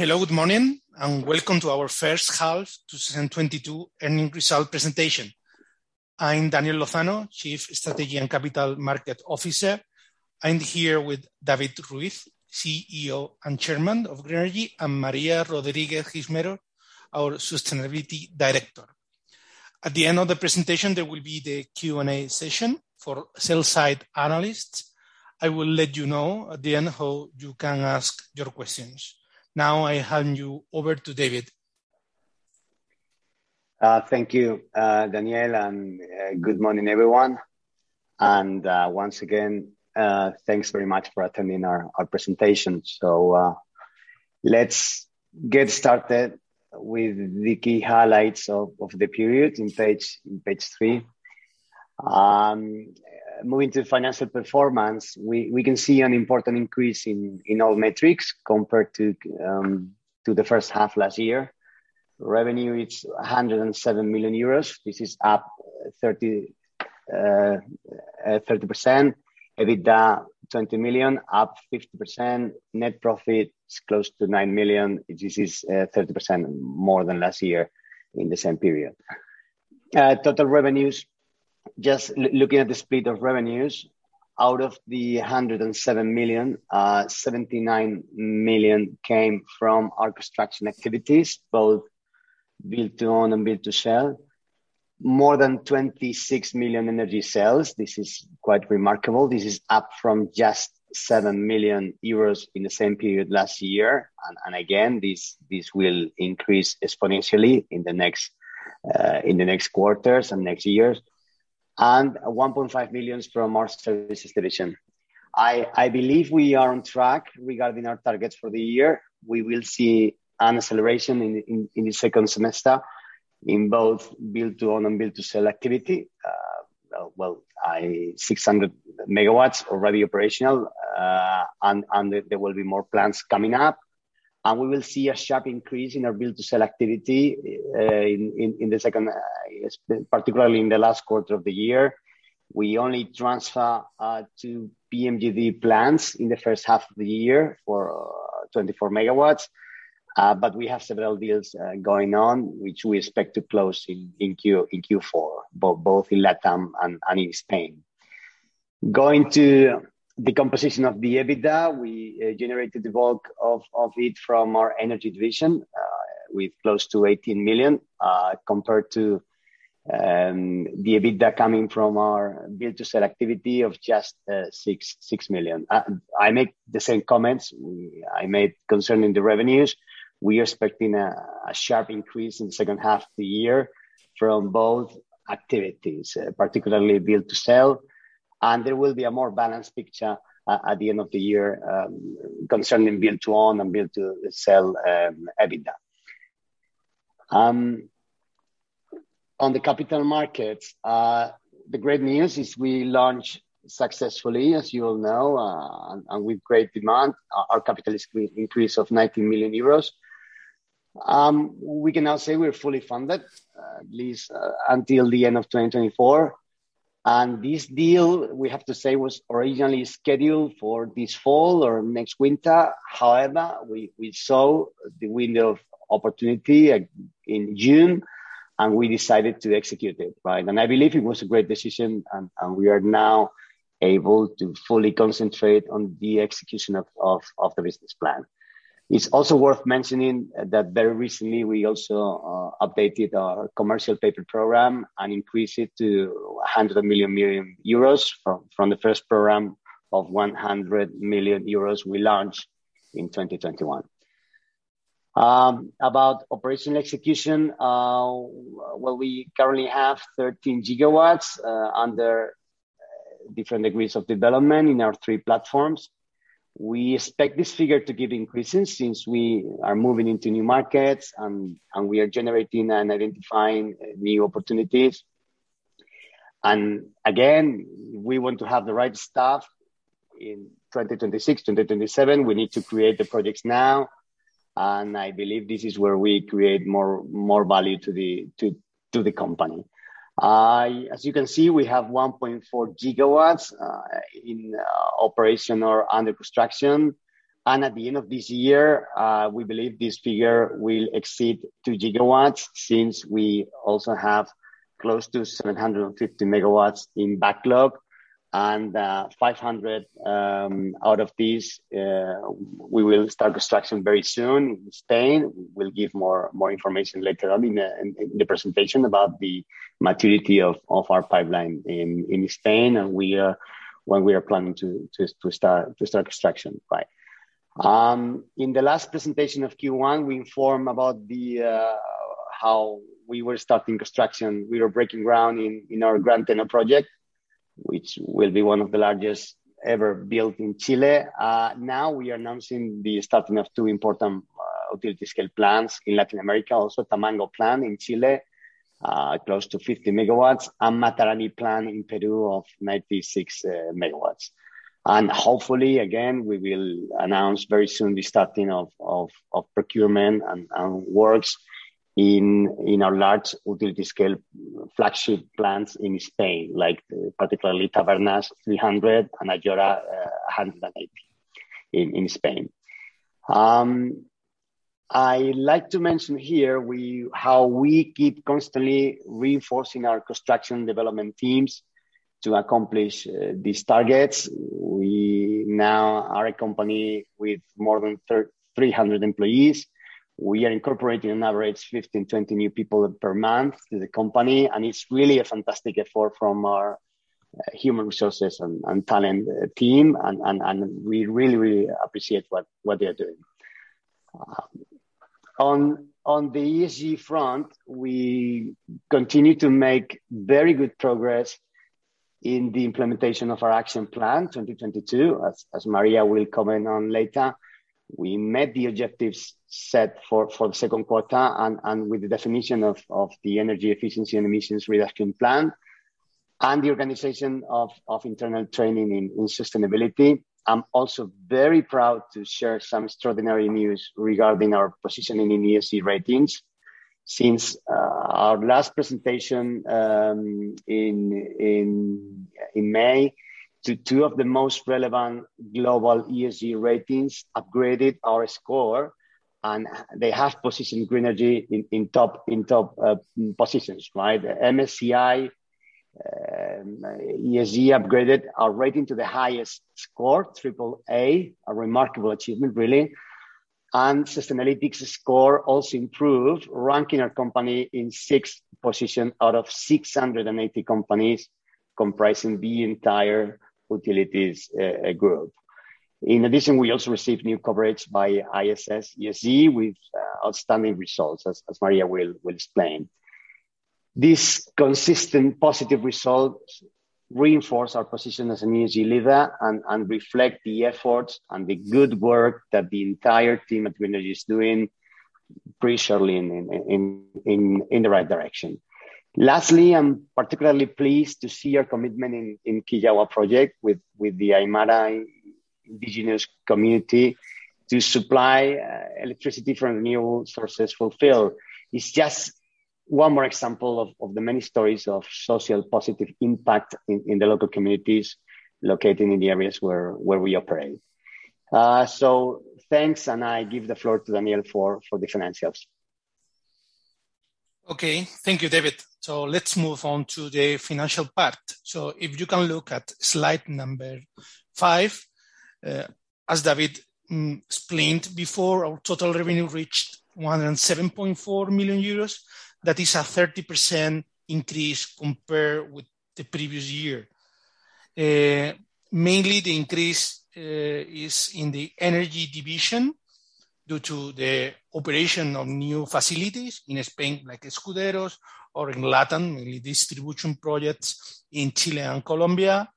Hello, good morning, and welcome to our first half 2022 earnings results presentation. I'm Daniel Lozano, Chief Strategy and Capital Markets Officer. I'm here with David Ruiz de Andrés, CEO and Chairman of Grenergy, and María Rodríguez Gismero, our Sustainability Director. At the end of the presentation, there will be the Q&A session for sell-side analysts. I will let you know at the end how you can ask your questions. Now, I hand you over to David. Thank you, Daniel, and good morning, everyone. Once again, thanks very much for attending our presentation. Let's get started with the key highlights of the period in page 3. Moving to financial performance, we can see an important increase in all metrics compared to the first half last year. Revenue, it's 107 million euros. This is up 30%. EBITDA, 20 million, up 50%. Net profit is close to 9 million. This is 30% more than last year in the same period. Total revenues, just looking at the split of revenues, out of the 107 million, 79 million came from our construction activities, both build to own and build to sell. More than 26 million energy sales, this is quite remarkable. This is up from just 7 million euros in the same period last year. Again, this will increase exponentially in the next quarters and next years. 1.5 million from our services division. I believe we are on track regarding our targets for the year. We will see an acceleration in the second semester in both build to own and build to sell activity. 600 megawatts already operational, and there will be more plants coming up. We will see a sharp increase in our build-to-sell activity, particularly in the last quarter of the year. We only transfer 2 PMGD plants in the first half of the year for 24 MW, but we have several deals going on, which we expect to close in Q4, both in LatAm and in Spain. Going to the composition of the EBITDA, we generated the bulk of it from our energy division with close to 18 million, compared to the EBITDA coming from our build to sell activity of just 6 million. I make the same comments I made concerning the revenues. We are expecting a sharp increase in the second half of the year from both activities, particularly build to sell, and there will be a more balanced picture at the end of the year concerning build to own and build to sell EBITDA. On the capital markets, the great news is we launched successfully, as you all know, and with great demand, our capital is increased of 19 million euros. We can now say we're fully funded, at least until the end of 2024. This deal, we have to say, was originally scheduled for this fall or next winter. However, we saw the window of opportunity in June, and we decided to execute it, right? I believe it was a great decision, and we are now able to fully concentrate on the execution of the business plan. It's also worth mentioning that very recently, we also updated our commercial paper program and increased it to 100 million euros from the first program of 100 million euros we launched in 2021. About operational execution, well, we currently have 13 gigawatts under different degrees of development in our three platforms. We expect this figure to keep increasing since we are moving into new markets and we are generating and identifying new opportunities. Again, we want to have the right staff in 2026, 2027. We need to create the projects now, and I believe this is where we create more value to the company. As you can see, we have 1.4 gigawatts in operation or under construction. At the end of this year, we believe this figure will exceed 2 gigawatts since we also have close to 750 megawatts in backlog and 500 out of these we will start construction very soon in Spain. We'll give more information later on in the presentation about the maturity of our pipeline in Spain, and when we are planning to start construction. Right. In the last presentation of Q1, we informed about how we were starting construction. We were breaking ground in our Gran Teno project, which will be one of the largest ever built in Chile. Now we are announcing the starting of two important utility scale plants in Latin America. Also, Tamango plant in Chile, close to 50 megawatts, and Matarani plant in Peru of 96 megawatts. Hopefully, again, we will announce very soon the starting of procurement and works in our large utility scale flagship plants in Spain, like particularly Tabernas, 300, and Ayora, 180 in Spain. I like to mention here how we keep constantly reinforcing our construction development teams to accomplish these targets. We now are a company with more than 300 employees. We are incorporating on average 15, 20 new people per month to the company, and it's really a fantastic effort from our human resources and talent team, and we really appreciate what they are doing. On the ESG front, we continue to make very good progress in the implementation of our action plan 2022, as María will comment on later. We met the objectives set for the second quarter and with the definition of the energy efficiency and emissions reduction plan and the organization of internal training in sustainability. I'm also very proud to share some extraordinary news regarding our positioning in ESG ratings. Since our last presentation in May, two of the most relevant global ESG ratings upgraded our score, and they have positioned Grenergy in top positions, right? The MSCI ESG upgraded our rating to the highest score, triple A, a remarkable achievement really. Sustainalytics score also improved, ranking our company in sixth position out of 680 companies comprising the entire utilities group. In addition, we also received new coverage by ISS ESG with outstanding results, as María will explain. These consistent positive results reinforce our position as an ESG leader and reflect the efforts and the good work that the entire team at Grenergy is doing pretty surely in the right direction. Lastly, I'm particularly pleased to see our commitment in the Quillagua project with the Aymara indigenous community to supply electricity from renewable sources fulfilled. It's just one more example of the many stories of social positive impact in the local communities located in the areas where we operate. Thanks, and I give the floor to Daniel for the financials. Okay. Thank you, David. Let's move on to the financial part. If you can look at slide number 5, as David explained before, our total revenue reached 107.4 million euros. That is a 30% increase compared with the previous year. Mainly the increase is in the energy division due to the operation of new facilities in Spain, like Escuderos or in Latin, mainly distribution projects in Chile and Colombia.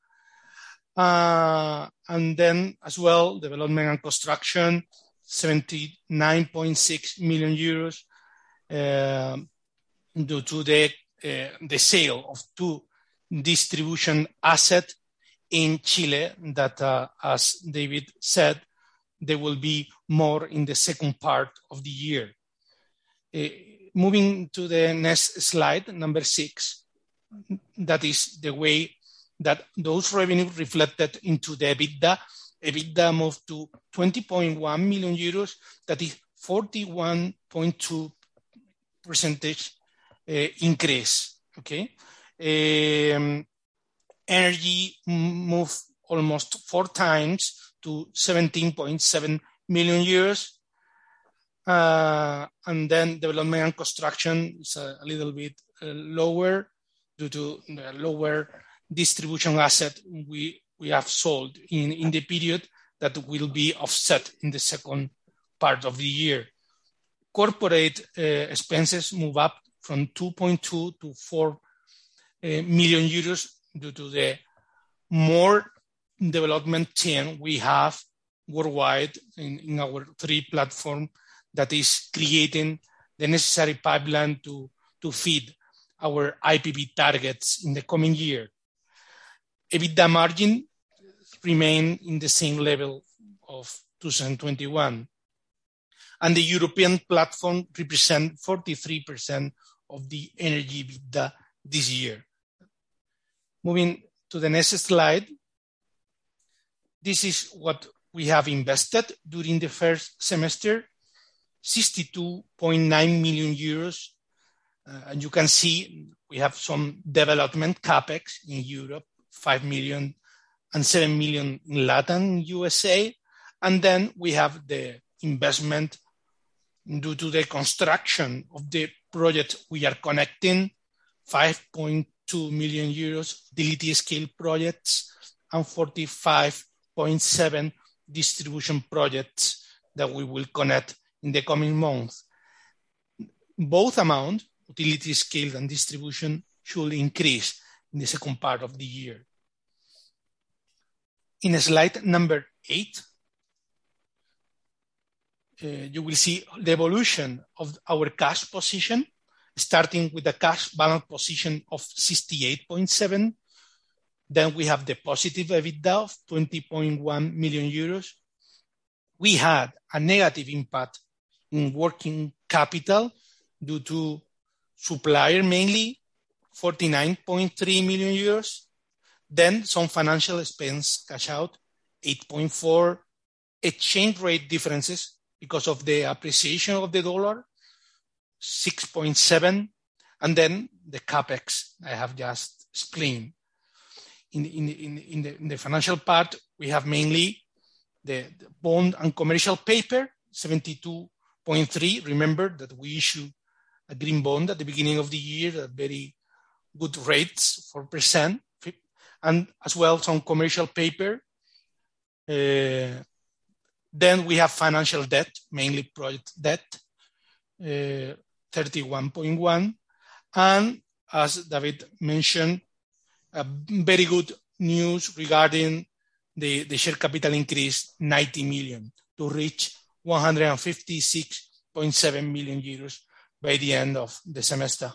Development and construction, 79.6 million euros, due to the sale of two distribution asset in Chile that, as David said, there will be more in the second part of the year. Moving to the next slide, number 6, that is the way that those revenue reflected into the EBITDA. EBITDA moved to EUR 20.1 million. That is 41.2% increase. Okay? Energy moved almost four times to 17.7 million. Development and construction is a little bit lower due to the lower distribution asset we have sold in the period that will be offset in the second part of the year. Corporate expenses move up from 2.2 million to 4 million euros due to the more development team we have worldwide in our three platform that is creating the necessary pipeline to feed our IPP targets in the coming year. EBITDA margin remain in the same level of 2021, and the European platform represent 43% of the energy EBITDA this year. Moving to the next slide. This is what we have invested during the first semester, 62.9 million euros. You can see we have some development CapEx in Europe, 5 million, and 7 million in LatAm & USA. We have the investment due to the construction of the project we are connecting, 5.2 million euros for utility-scale projects, and 45.7 for distribution projects that we will connect in the coming months. Both amounts, utility-scale and distribution, should increase in the second part of the year. In Slide 8, you will see the evolution of our cash position, starting with a cash balance of 68.7. We have the positive EBITDA of 20.1 million euros. We had a negative impact in working capital due to suppliers, mainly 49.3 million euros. Some financial expense cash out, 8.4. Exchange rate differences because of the appreciation of the dollar, 6.7. The CapEx I have just explained. In the financial part, we have mainly the bond and commercial paper, 72.3 million. Remember that we issued a green bond at the beginning of the year at very good rates, 4%. As well, some commercial paper. Then we have financial debt, mainly project debt, 31.1 million. As David mentioned, a very good news regarding the share capital increase, 90 million, to reach 156.7 million euros by the end of the semester.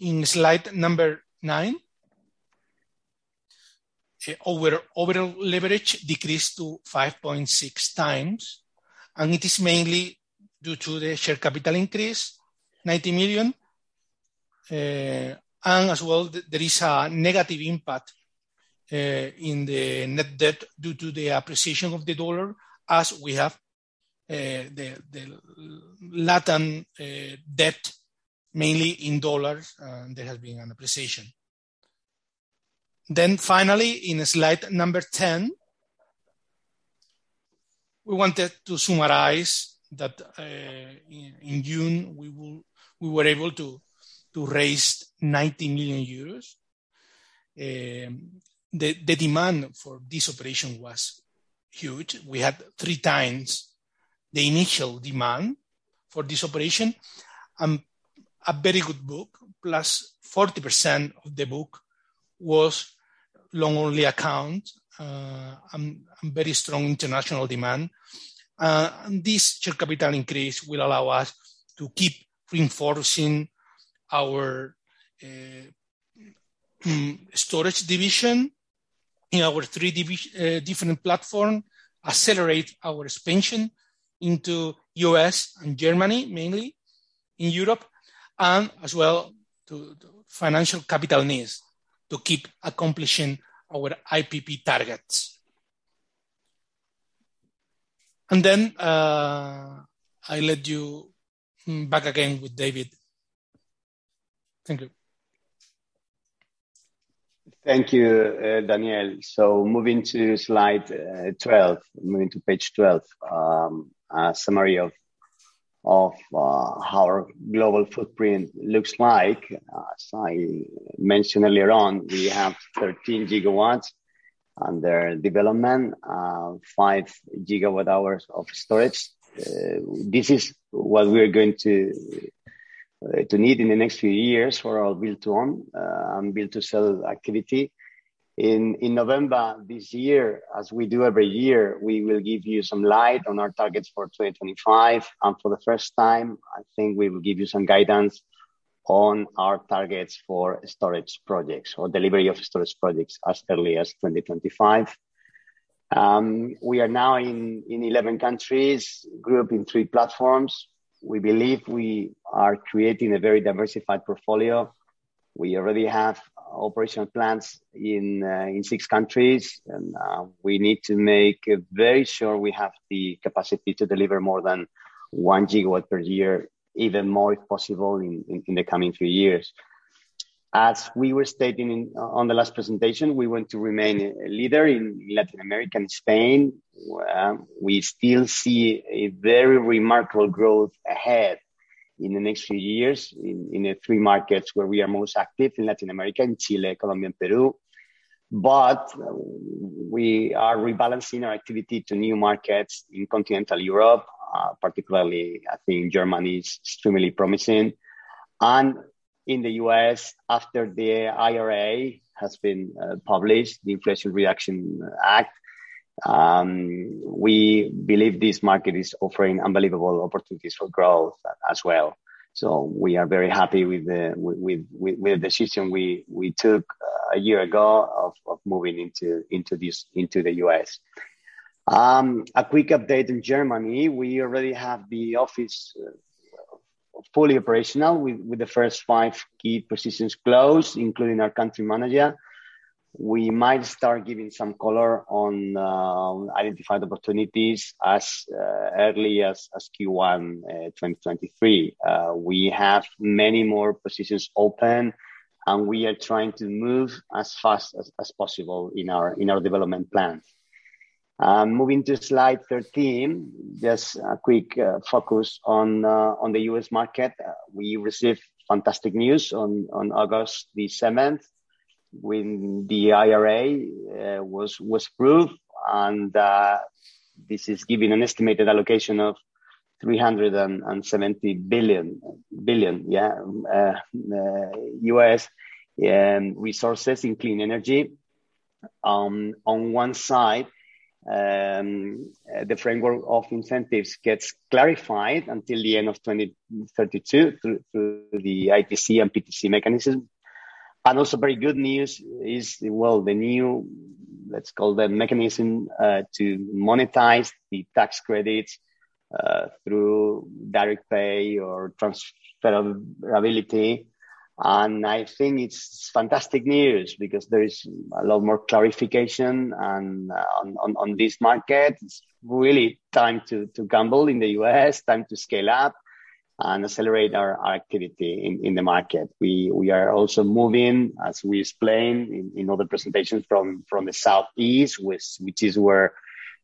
In slide number 9, the overall leverage decreased to 5.6x, and it is mainly due to the share capital increase, 90 million. As well, there is a negative impact in the net debt due to the appreciation of the dollar as we have the Latin debt mainly in dollars, and there has been an appreciation. Finally, in slide number 10, we wanted to summarize that in June, we were able to raise 90 million euros. The demand for this operation was huge. We had three times the initial demand for this operation. A very good book, plus 40% of the book was long-only account, and very strong international demand. This share capital increase will allow us to keep reinforcing our storage division in our three different platforms, accelerate our expansion into US and Germany, mainly in Europe, and as well to finance capital needs to keep accomplishing our IPP targets. Then, I hand you back again to David. Thank you. Thank you, Daniel. Moving to slide 12, page 12, a summary of how our global footprint looks like. As I mentioned earlier on, we have 13 gigawatts under development, 5 gigawatt hours of storage. This is what we are going to need in the next few years for our build-to-own and build-to-sell activity. In November this year, as we do every year, we will give you some light on our targets for 2025. For the first time, I think we will give you some guidance on our targets for storage projects or delivery of storage projects as early as 2025. We are now in 11 countries, grouped in 3 platforms. We believe we are creating a very diversified portfolio. We already have operational plans in six countries, and we need to make very sure we have the capacity to deliver more than one gigawatt per year, even more, if possible, in the coming three years. As we were stating in on the last presentation, we want to remain a leader in Latin America and Spain, where we still see a very remarkable growth ahead in the next few years in the three markets where we are most active, in Latin America, in Chile, Colombia, and Peru. We are rebalancing our activity to new markets in continental Europe, particularly I think Germany is extremely promising. In the US, after the IRA has been published, the Inflation Reduction Act, we believe this market is offering unbelievable opportunities for growth as well. We are very happy with the decision we took a year ago of moving into the US. A quick update in Germany. We already have the office fully operational with the first five key positions closed, including our country manager. We might start giving some color on identified opportunities as early as Q1 2023. We have many more positions open, and we are trying to move as fast as possible in our development plan. Moving to slide 13, just a quick focus on the US market. We received fantastic news on August 7, when the IRA was approved. This is giving an estimated allocation of $370 billion in clean energy. The framework of incentives gets clarified until the end of 2032 through the ITC and PTC mechanism. Also very good news is, well, the new, let's call them, mechanism to monetize the tax credits through direct pay or transferability. I think it's fantastic news because there is a lot more clarification on this market. It's really time to gamble in the U.S., time to scale up and accelerate our activity in the market. We are also moving, as we explained in other presentations from the southeast, which is where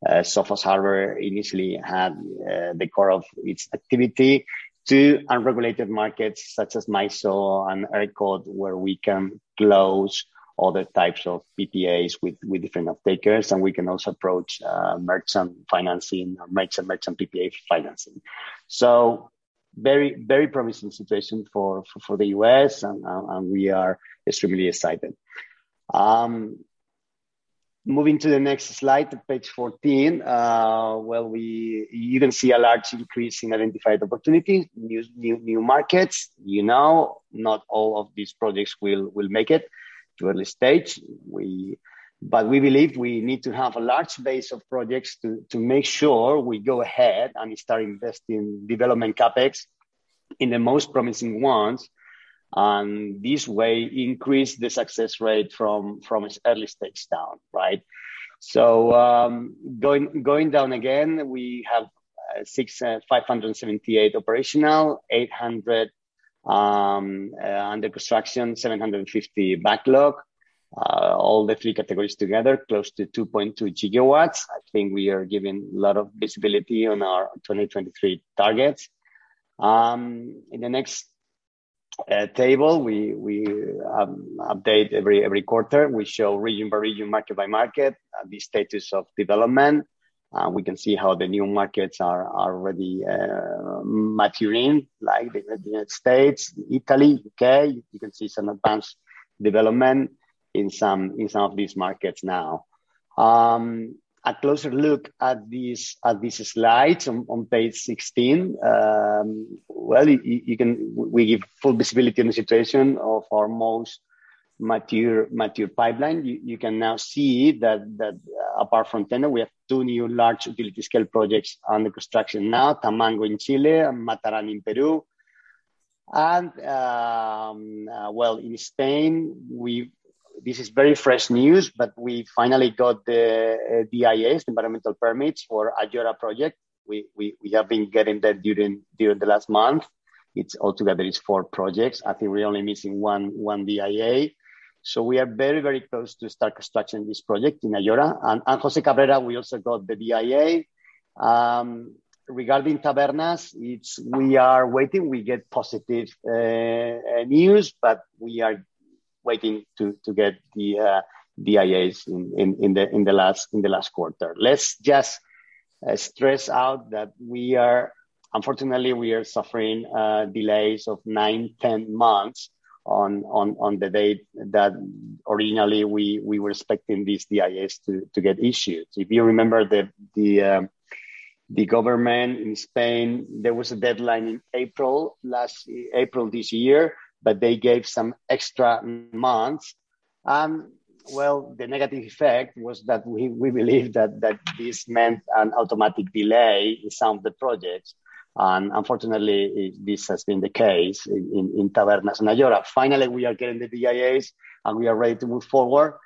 Sofos Harbert initially had the core of its activity, to unregulated markets such as MISO and ERCOT, where we can close other types of PPAs with different off-takers, and we can also approach merchant financing or merchant PPA financing. Very promising situation for the US and we are extremely excited. Moving to the next slide, page 14. We even see a large increase in identified opportunities, new markets. You know, not all of these projects will make it to early stage. We. We believe we need to have a large base of projects to make sure we go ahead and start investing development CapEx in the most promising ones, and this way increase the success rate from its early stage down, right? Going down again, we have 578 operational, 800 under construction, 750 backlog. All three categories together, close to 2.2 gigawatt. I think we are giving a lot of visibility on our 2023 targets. In the next table, we update every quarter. We show region by region, market by market, the status of development. We can see how the new markets are already maturing, like the United States, Italy, U.K. You can see some advanced development in some of these markets now. A closer look at these slides on page 16. We give full visibility on the situation of our most mature pipeline. You can now see that apart from Teno, we have two new large utility-scale projects under construction now, Tamango in Chile and Matarani in Peru. In Spain, this is very fresh news, but we finally got the DIA, the environmental permits for Ayora project. We have been getting that during the last month. It's altogether four projects. I think we're only missing one DIA. We are very close to start construction this project in Ayora. Jose Cabrera, we also got the DIA. Regarding Tabernas, we are waiting. We get positive news, but we are waiting to get the DIAs in the last quarter. Let's just stress that we are unfortunately suffering delays of 9-10 months on the date that originally we were expecting these DIAs to get issued. If you remember the government in Spain, there was a deadline in April this year, but they gave some extra months. Well, the negative effect was that we believe that this meant an automatic delay in some of the projects. Unfortunately, this has been the case in Tabernas and Ayora. Finally, we are getting the DIAs, and we are ready to move forward.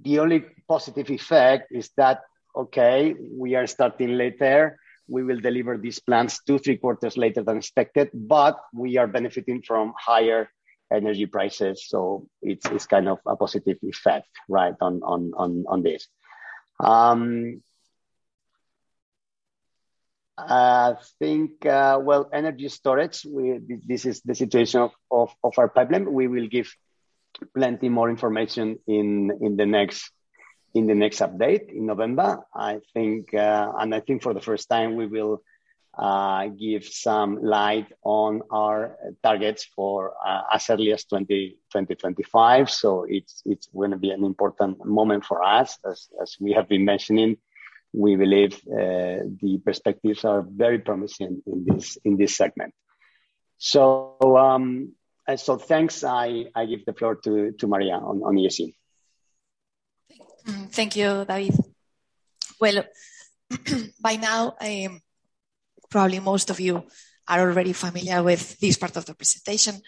The only positive effect is that, okay, we are starting later. We will deliver these plans 2-3 quarters later than expected, but we are benefiting from higher energy prices, so it's kind of a positive effect, right, on this. Well, energy storage, this is the situation of our pipeline. We will give plenty more information in the next update in November. I think for the first time we will give some light on our targets for as early as 2025. It's gonna be an important moment for us. As we have been mentioning, we believe the perspectives are very promising in this segment. Thanks. I give the floor to María on ESG. Thank you, David. Well, by now, probably most of you are already familiar with this part of the presentation,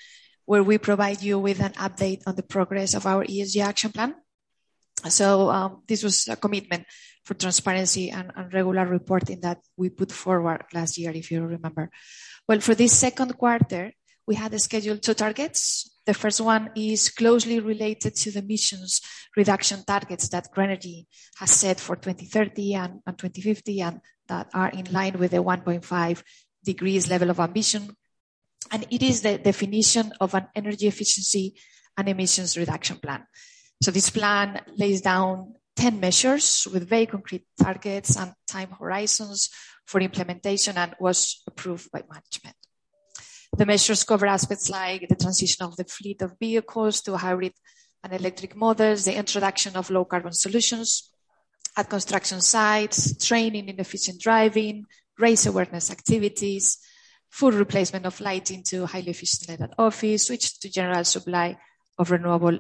where we provide you with an update on the progress of our ESG action plan. This was a commitment for transparency and regular reporting that we put forward last year, if you remember. Well, for this second quarter, we had scheduled two targets. The first one is closely related to the emissions reduction targets that Grenergy has set for 2030 and 2050 and that are in line with the 1.5 degrees level of ambition. It is the definition of an energy efficiency and emissions reduction plan. This plan lays down 10 measures with very concrete targets and time horizons for implementation, and was approved by management. The measures cover aspects like the transition of the fleet of vehicles to hybrid and electric models, the introduction of low carbon solutions at construction sites, training in efficient driving, risk awareness activities, full replacement of lighting to highly efficient LED at office, switch to general supply of renewable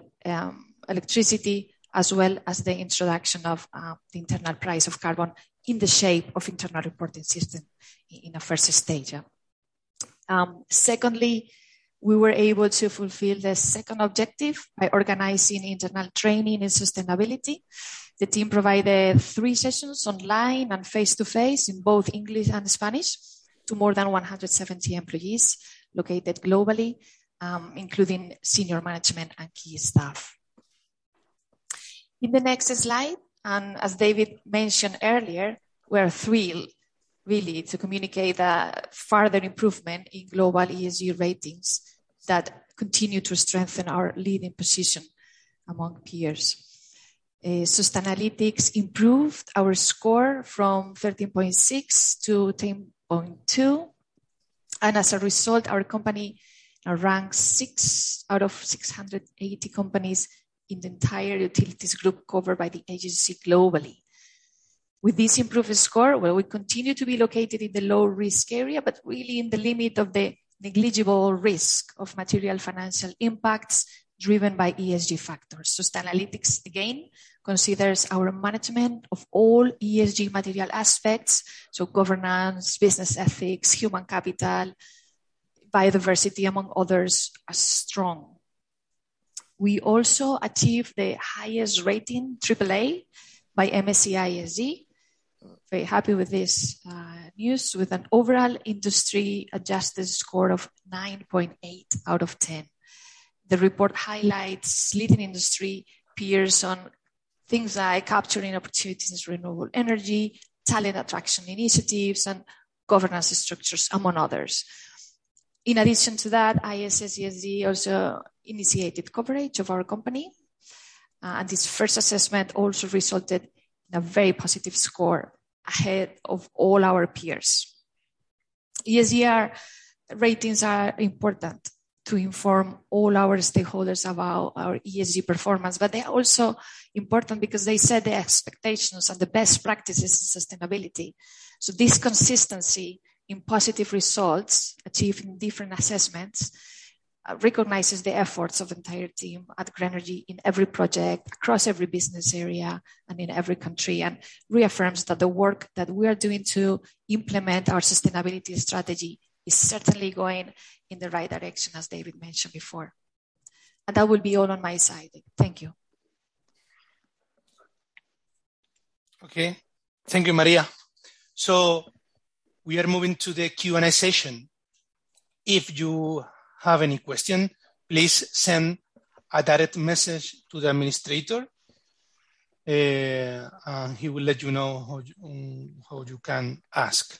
electricity, as well as the introduction of the internal price of carbon in the shape of internal reporting system in a first stage. Secondly, we were able to fulfill the second objective by organizing internal training in sustainability. The team provided three sessions online and face-to-face in both English and Spanish to more than 170 employees located globally, including senior management and key staff. In the next slide, as David mentioned earlier, we are thrilled really to communicate a further improvement in global ESG ratings that continue to strengthen our leading position among peers. Sustainalytics improved our score from 13.6 to 10.2, and as a result, our company now ranks 6 out of 680 companies in the entire utilities group covered by the agency globally. With this improved score, we continue to be located in the low risk area, but really in the limit of the negligible risk of material financial impacts driven by ESG factors. Sustainalytics, again, considers our management of all ESG material aspects, so governance, business ethics, human capital, biodiversity, among others, as strong. We also achieved the highest rating, AAA, by MSCI ESG. Very happy with this, news, with an overall industry-adjusted score of 9.8 out of 10. The report highlights leading industry peers on things like capturing opportunities, renewable energy, talent attraction initiatives, and governance structures, among others. In addition to that, ISS ESG also initiated coverage of our company, and this first assessment also resulted in a very positive score ahead of all our peers. ESG ratings are important to inform all our stakeholders about our ESG performance, but they are also important because they set the expectations and the best practices in sustainability. This consistency in positive results, achieving different assessments, recognizes the efforts of entire team at Grenergy in every project, across every business area, and in every country, and reaffirms that the work that we are doing to implement our sustainability strategy is certainly going in the right direction, as David mentioned before. That will be all on my side. Thank you. Okay. Thank you, María. We are moving to the Q&A session. If you have any question, please send a direct message to the administrator, and he will let you know how you can ask.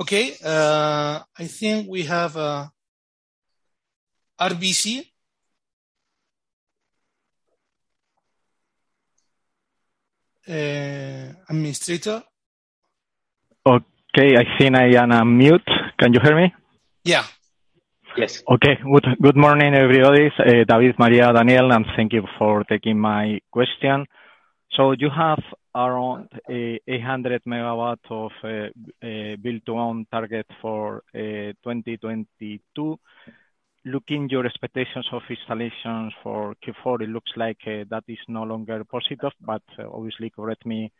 Okay. I think we have RBC administrator. Okay. I think I am unmuted. Can you hear me? Yeah. Yes. Okay. Good morning, everybody. It's David, María, Daniel, and thank you for taking my question. You have around 800 megawatts of build-to-own target for 2022. Looking at your expectations of installations for Q4, it looks like that is no longer possible. Obviously correct me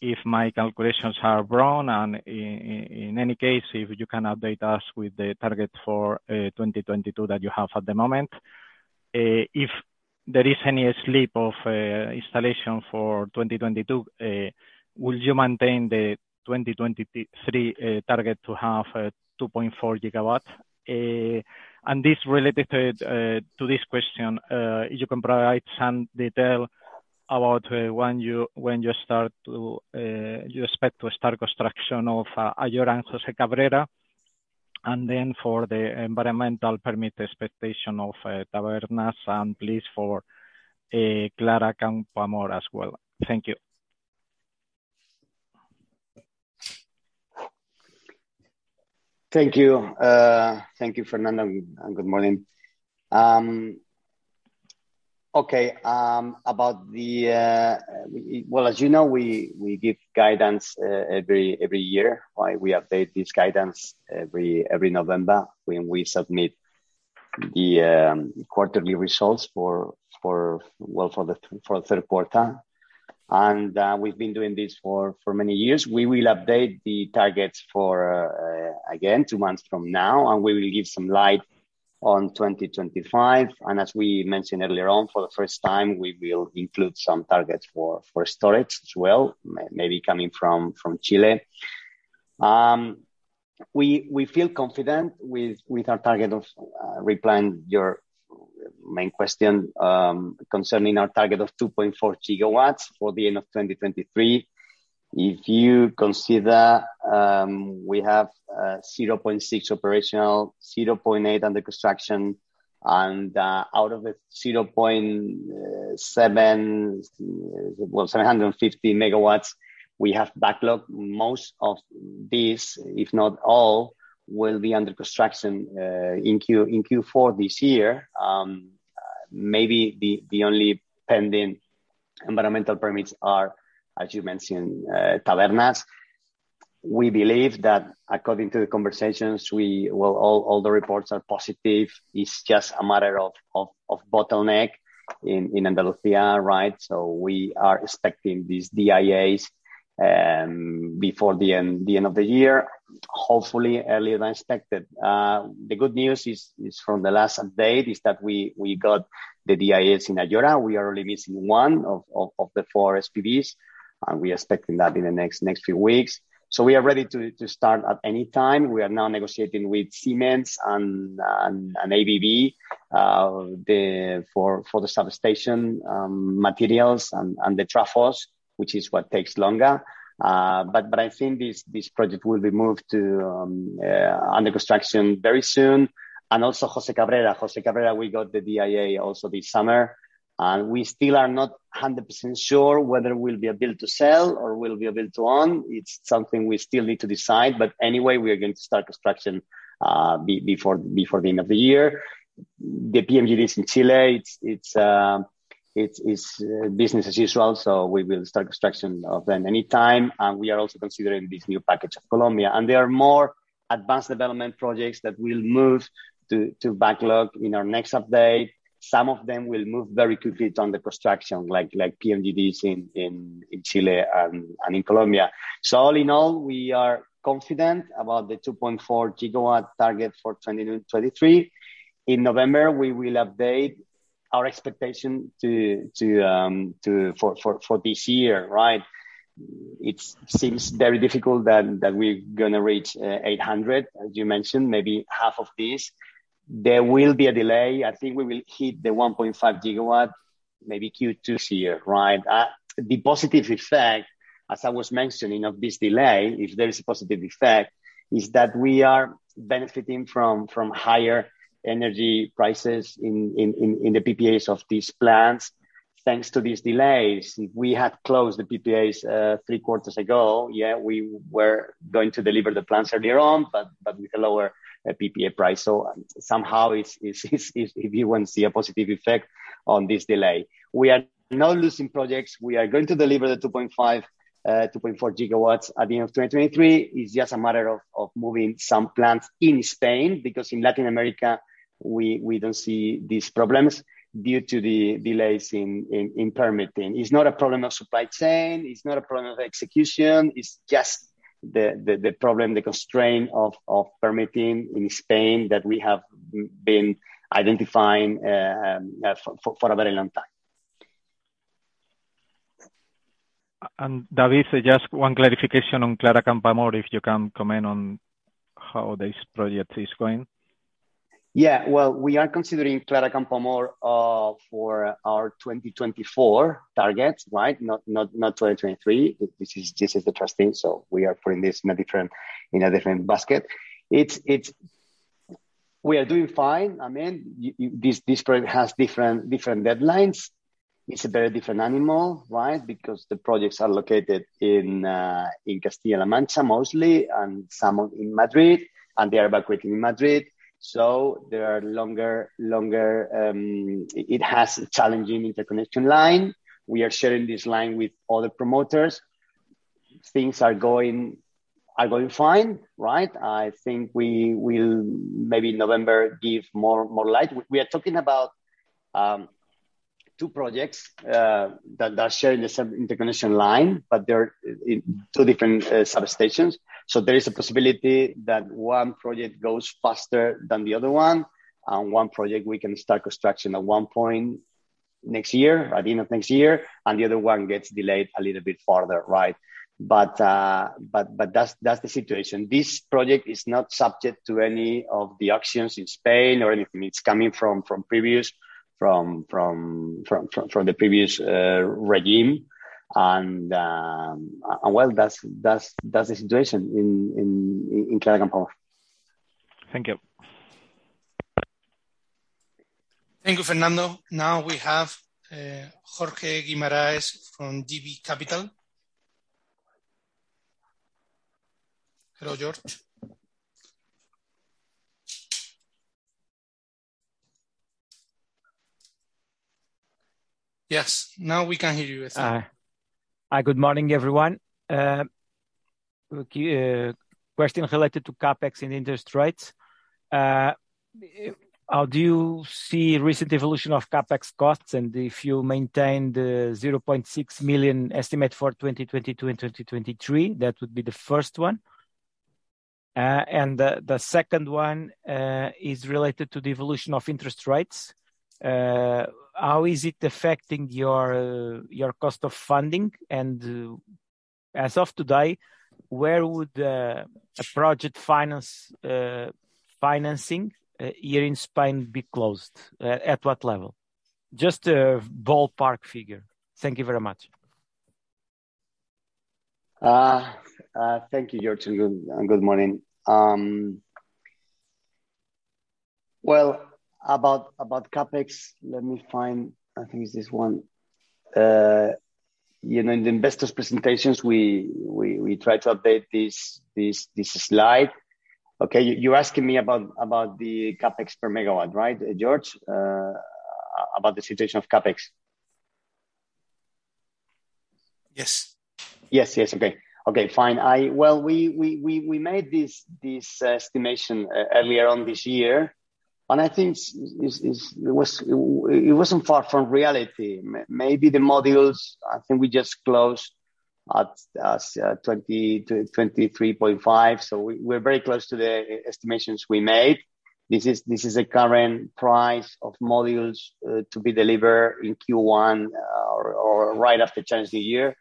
if my calculations are wrong, and in any case, if you can update us with the target for 2022 that you have at the moment. If there is any slip of installation for 2022, will you maintain the 2023 target to have 2.4 gigawatts? This relates to this question. You can provide some detail about when you expect to start construction of Ayora and Jose Cabrera, and then for the environmental permit expectation of Tabernas, and please for Clara Campoamor as well. Thank you. Thank you. Thank you, Fernando, and good morning. Okay. About the. Well, as you know, we give guidance every year, right? We update this guidance every November when we submit the quarterly results for the third quarter. We've been doing this for many years. We will update the targets again two months from now, and we will give some light on 2025. As we mentioned earlier on, for the first time, we will include some targets for storage as well, maybe coming from Chile. We feel confident with our target of replying to your main question, concerning our target of 2.4 gigawatts for the end of 2023. If you consider, we have 0.6 operational, 0.8 under construction, and out of the 0.7, well, 750 megawatts we have backlog. Most of these, if not all, will be under construction in Q4 this year. Maybe the only pending environmental permits are, as you mentioned, Tabernas. We believe that according to the conversations, all the reports are positive. It's just a matter of bottleneck in Andalusia, right? We are expecting these DIAs before the end of the year, hopefully earlier than expected. The good news is from the last update that we got the DIAs in Ayora. We are only missing one of the four SPVs, and we're expecting that in the next few weeks. We are ready to start at any time. We are now negotiating with Siemens and ABB for the substation materials and the transformers, which is what takes longer. But I think this project will be moved to under construction very soon. Also, Jose Cabrera, we got the DIA also this summer, and we still are not 100% sure whether it will be a build to sell or will be a build to own. It's something we still need to decide. Anyway, we are going to start construction before the end of the year. The PMGDs in Chile, it's business as usual, so we will start construction of them anytime. We are also considering this new package of Colombia. There are more advanced development projects that will move to backlog in our next update. Some of them will move very quickly to under construction, like PMGDs in Chile and in Colombia. All in all, we are confident about the 2.4 gigawatt target for 2029, 2023. In November, we will update our expectation for this year, right? It seems very difficult that we're gonna reach 800, as you mentioned, maybe half of this. There will be a delay. I think we will hit 1.5 gigawatt maybe Q2 this year, right? The positive effect, as I was mentioning, of this delay, if there is a positive effect, is that we are benefiting from higher energy prices in the PPAs of these plants, thanks to these delays. If we had closed the PPAs three quarters ago, we were going to deliver the plants earlier on, but with a lower PPA price. Somehow we even see a positive effect on this delay. We are not losing projects. We are going to deliver the 2.5, 2.4 gigawatt at the end of 2023. It's just a matter of moving some plants in Spain, because in Latin America we don't see these problems due to the delays in permitting. It's not a problem of supply chain, it's not a problem of execution. It's just the problem, the constraint of permitting in Spain that we have been identifying for a very long time. David, just one clarification on Clara Campoamor, if you can comment on how this project is going? Yeah. Well, we are considering Clara Campoamor for our 2024 targets, right? Not 2023. This is the trust thing, so we are putting this in a different basket. We are doing fine. I mean, this project has different deadlines. It's a very different animal, right? Because the projects are located in Castilla-La Mancha, mostly, and some are in Madrid, and they are evacuating in Madrid, so there are longer. It has a challenging interconnection line. We are sharing this line with other promoters. Things are going fine, right? I think we will maybe in November give more light. We are talking about two projects that are sharing the same interconnection line, but they're in two different substations. There is a possibility that one project goes faster than the other one, and one project we can start construction at one point next year, at the end of next year, and the other one gets delayed a little bit farther, right? That's the situation. This project is not subject to any of the auctions in Spain or anything. It's coming from the previous regime. That's the situation in Clara Campoamor. Thank you. Thank you, Fernando. Now we have, Jorge Guimarães from JB Capital. Hello, George. Yes, now we can hear you. Hi. Hi, good morning, everyone. Okay, question related to CapEx and interest rates. How do you see recent evolution of CapEx costs? If you maintain the 0.6 million estimate for 2022 and 2023? That would be the first one. The second one is related to the evolution of interest rates. How is it affecting your cost of funding? As of today, where would a project finance financing here in Spain be closed at what level? Just a ballpark figure. Thank you very much. Thank you, Jorge Guimarães, and good morning. Well, about CapEx, let me find. I think it's this one. You know, in the investor presentations, we try to update this slide. Okay. You're asking me about the CapEx per megawatt, right, Jorge Guimarães? About the situation of CapEx. Yes. Yes. Okay, fine. Well, we made this estimation earlier this year, and I think it's. It wasn't far from reality. Maybe the modules, I think we just closed at 20-23.5. We're very close to the estimations we made. This is the current price of modules to be delivered in Q1 or right after Chinese New Year.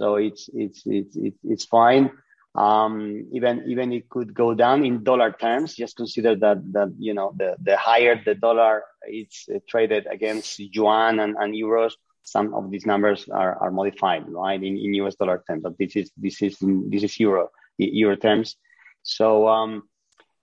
It's fine. Even it could go down in dollar terms. Just consider that, you know, the higher the dollar is traded against yuan and euros, some of these numbers are modified, right? In US dollar terms. This is euro terms.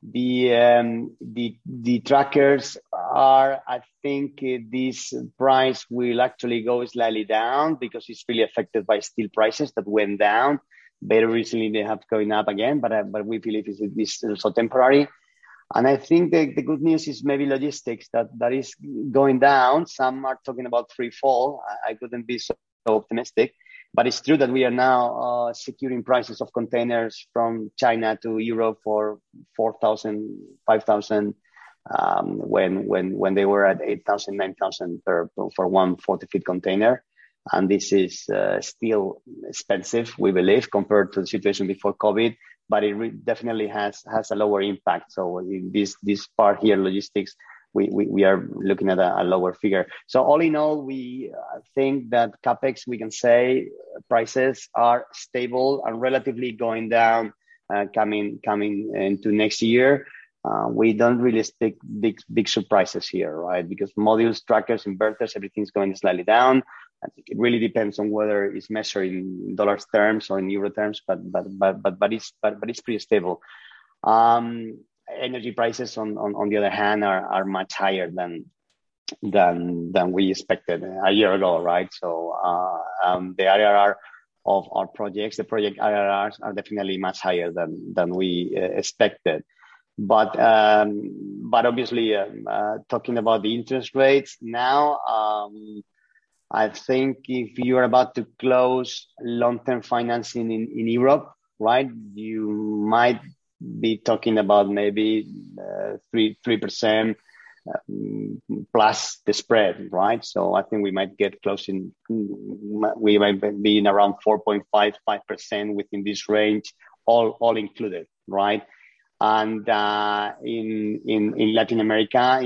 The trackers are. I think this price will actually go slightly down because it's really affected by steel prices that went down. Very recently they have going up again, but we believe it's still so temporary. I think the good news is maybe logistics that is going down. Some are talking about free fall. I couldn't be so optimistic. It's true that we are now securing prices of containers from China to Europe for $4,000, $5,000, when they were at $8,000, $9,000 for one 40-foot container, and this is still expensive, we believe, compared to the situation before COVID, but it definitely has a lower impact. This part here, logistics, we are looking at a lower figure. All in all, we think that CapEx, we can say prices are stable and relatively going down, coming into next year. We don't really expect big surprises here, right? Because modules, trackers, inverters, everything's going slightly down. I think it really depends on whether it's measured in dollar terms or in euro terms, but it's pretty stable. Energy prices on the other hand are much higher than we expected a year ago, right? The IRR of our projects, the project IRRs are definitely much higher than we expected. But obviously, talking about the interest rates now, I think if you're about to close long-term financing in Europe, right? You might be talking about maybe 3% plus the spread, right? I think we might get close in. We might be in around 4.5%-5% within this range, all included, right? In Latin America,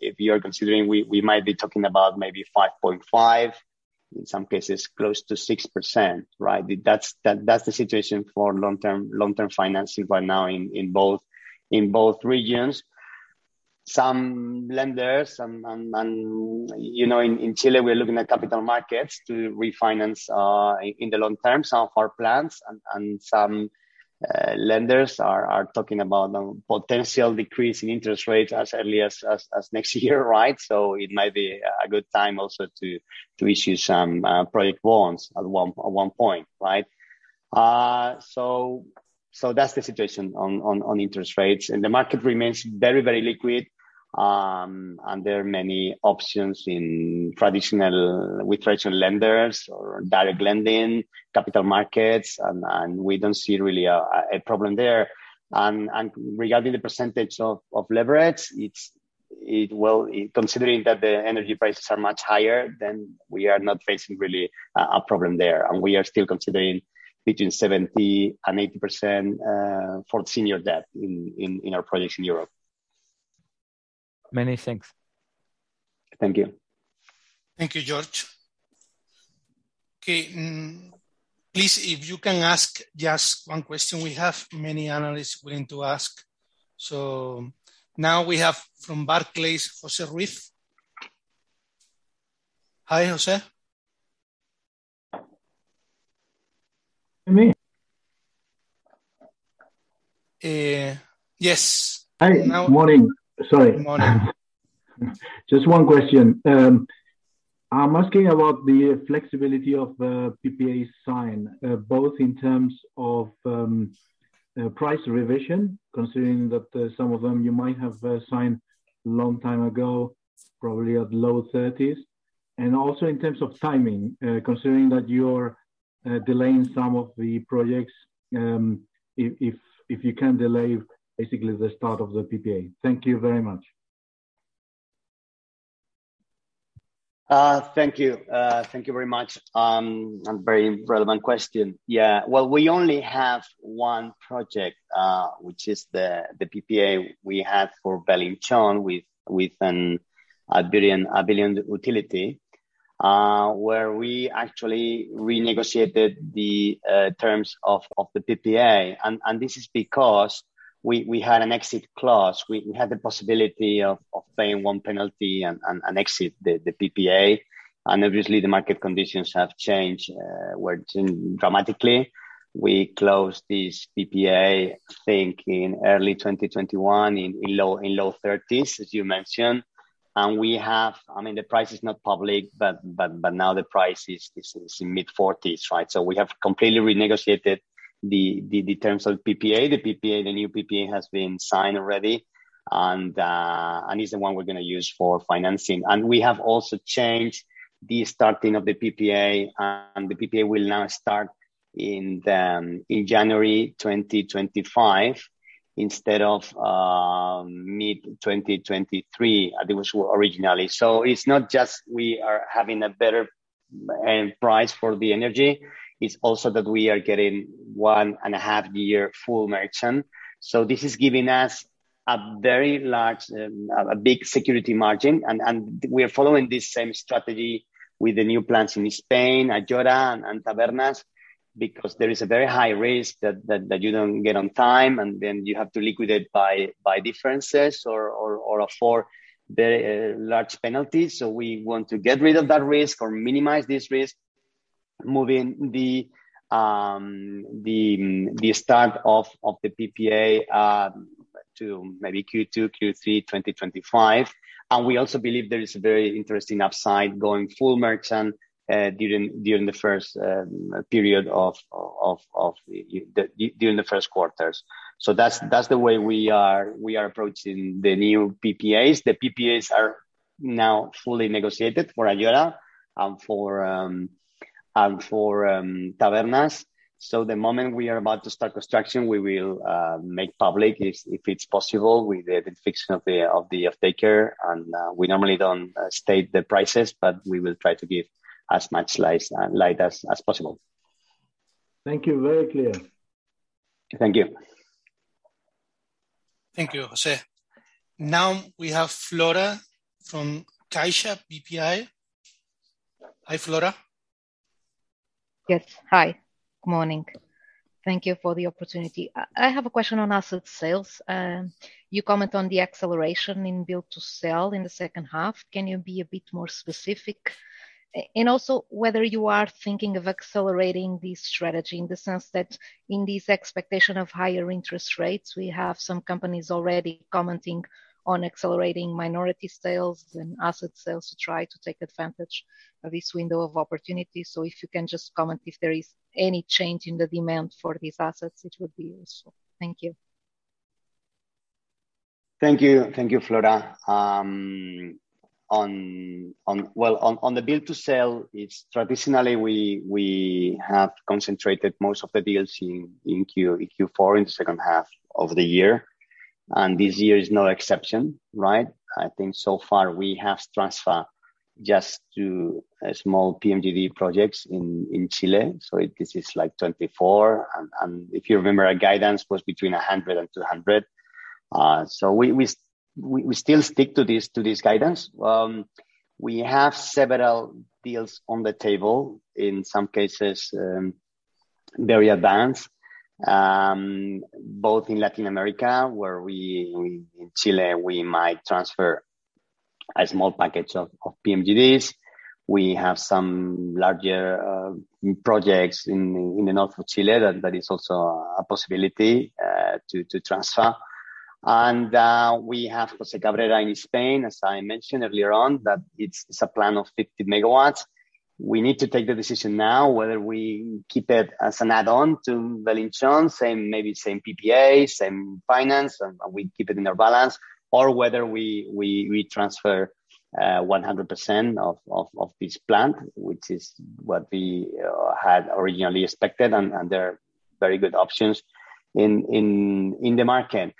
if you're considering, we might be talking about maybe 5.5%, in some cases close to 6%, right? That's the situation for long-term financing right now in both regions. Some lenders and, you know, in Chile, we are looking at capital markets to refinance, in the long term some of our plants and some lenders are talking about a potential decrease in interest rates as early as next year, right? It might be a good time also to issue some project loans at one point, right? That's the situation on interest rates. The market remains very liquid, and there are many options in traditional with traditional lenders or direct lending, capital markets, and we don't see really a problem there. Regarding the percentage of leverage, it's well. Considering that the energy prices are much higher, then we are not facing really a problem there. We are still considering between 70% and 80% for senior debt in our projects in Europe. Many thanks. Thank you. Thank you, Jorge Guimarães. Okay. Please, if you can ask just one question. We have many analysts waiting to ask. Now we have from Barclays, José Ruiz. Hi, José. Can you hear me? Yes. Hi. Morning. Sorry. Morning. Just one question. I'm asking about the flexibility of the PPA signing both in terms of price revision, considering that some of them you might have signed long time ago, probably at low thirties, and also in terms of timing, considering that you're delaying some of the projects, if you can delay basically the start of the PPA. Thank you very much. Thank you. Thank you very much. Very relevant question. Yeah. Well, we only have one project, which is the PPA we have for Belinchón with an Iberian utility, where we actually renegotiated the terms of the PPA. This is because we had an exit clause. We had the possibility of paying one penalty and exit the PPA. Obviously, the market conditions have changed dramatically. We closed this PPA, I think in early 2021 in low 30s, as you mentioned. We have. I mean, the price is not public, but now the price is in mid-40s, right? We have completely renegotiated the terms of PPA. The PPA, the new PPA has been signed already and is the one we're gonna use for financing. We have also changed the starting of the PPA, and the PPA will now start in January 2025 instead of mid-2023, it was originally. It's not just we are having a better price for the energy, it's also that we are getting one and a half year full merchant. This is giving us a very large a big security margin. We are following this same strategy with the new plants in Spain, Ayora and Tabernas, because there is a very high risk that you don't get on time, and then you have to liquidate by differences or afford very large penalties. We want to get rid of that risk or minimize this risk, moving the start of the PPA to maybe Q2, Q3 2025. We also believe there is a very interesting upside going full merchant during the first quarters. That's the way we are approaching the new PPAs. The PPAs are now fully negotiated for Ayora and Tabernas. The moment we are about to start construction, we will make public if it's possible with the fixing of the offtaker. We normally don't state the prices, but we will try to give as much insight as possible. Thank you. Very clear. Thank you. Thank you, José. Now we have Flora from CaixaBank BPI. Hi, Flora. Yes. Hi. Good morning. Thank you for the opportunity. I have a question on asset sales. You comment on the acceleration in build to sell in the second half. Can you be a bit more specific? And also whether you are thinking of accelerating this strategy in the sense that in this expectation of higher interest rates, we have some companies already commenting on accelerating minority sales and asset sales to try to take advantage of this window of opportunity. If you can just comment if there is any change in the demand for these assets, it would be useful. Thank you. Thank you. Thank you, Flora. Well, on the build to sell, it's traditionally we have concentrated most of the deals in Q4, in the second half of the year, and this year is no exception, right? I think so far we have transferred just two small PMGD projects in Chile, so this is like 24. If you remember our guidance was between 100 and 200. So we still stick to this guidance. We have several deals on the table, in some cases very advanced, both in Latin America, where in Chile we might transfer a small package of PMGDs. We have some larger projects in the north of Chile that is also a possibility to transfer. We have José Cabrera in Spain, as I mentioned earlier on, that it's a plan of 50 megawatts. We need to take the decision now whether we keep it as an add-on to Belinchón, same, maybe same PPA, same finance, and we keep it in our balance, or whether we transfer 100% of this plant, which is what we had originally expected, and there are very good options in the market.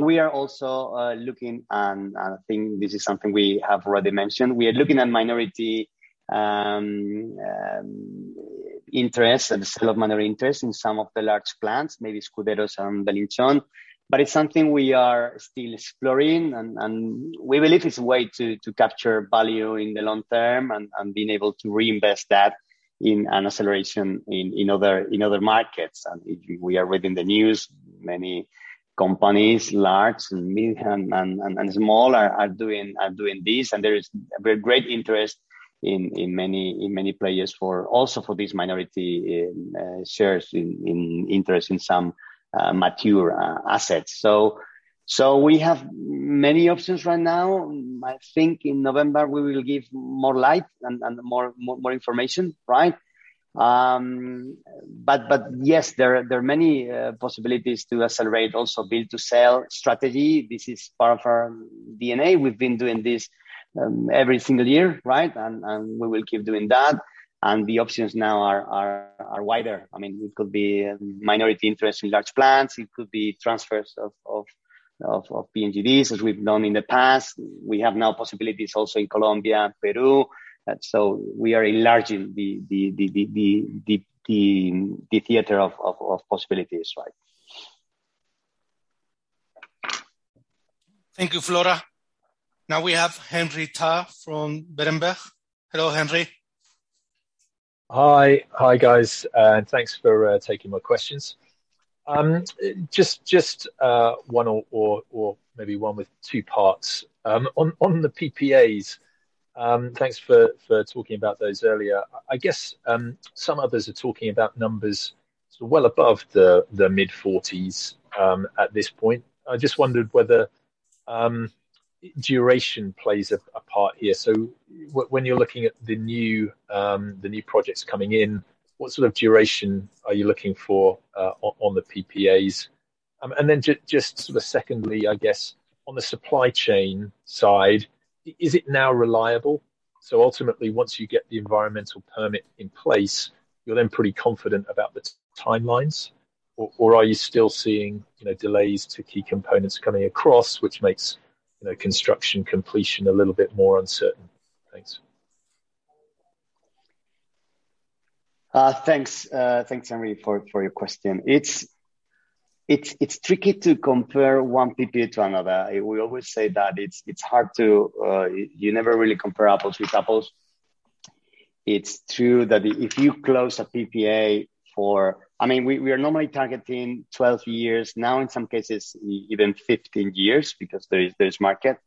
We are also looking, and I think this is something we have already mentioned. We are looking at minority interests and the sale of minority interests in some of the large plants, maybe Escuderos and Belinchón. It's something we are still exploring and we believe it's a way to capture value in the long term and being able to reinvest that in an acceleration in other markets. If we are reading the news, many companies, large and mid and small are doing this. There is a very great interest in many players for also these minority shares in interest in some mature assets. We have many options right now. I think in November we will give more light and more information, right? But yes, there are many possibilities to accelerate, also build to sell strategy. This is part of our DNA. We've been doing this every single year, right? We will keep doing that. The options now are wider. I mean, it could be a minority interest in large plants, it could be transfers of PMGDs, as we've done in the past. We have now possibilities also in Colombia and Peru. We are enlarging the theater of possibilities, right? Thank you, Flora. Now we have Henry Tarr from Berenberg. Hello, Henry. Hi. Hi guys, and thanks for taking my questions. Just one or maybe one with two parts. On the PPAs, thanks for talking about those earlier. I guess, some others are talking about numbers sort of well above the mid-forties at this point. I just wondered whether duration plays a part here. When you're looking at the new projects coming in, what sort of duration are you looking for on the PPAs? Just sort of secondly, I guess, on the supply chain side, is it now reliable? Ultimately, once you get the environmental permit in place, you're then pretty confident about the timelines? Are you still seeing, you know, delays to key components coming across, which makes, you know, construction completion a little bit more uncertain? Thanks. Thanks. Thanks Henry for your question. It's tricky to compare one PPA to another. We always say that you never really compare apples with apples. It's true that if you close a PPA, I mean, we are normally targeting 12 years now, in some cases even 15 years, because there is market